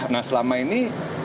nah selama ini